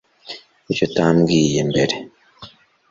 Kuki utambwiye mbere? (Anon)